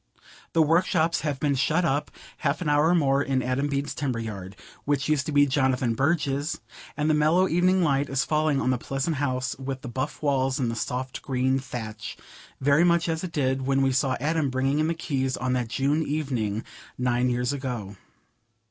The workshops have been shut up half an hour or more in Adam Bede's timber yard, which used to be Jonathan Burge's, and the mellow evening light is falling on the pleasant house with the buff walls and the soft grey thatch, very much as it did when we saw Adam bringing in the keys on that June evening nine years ago.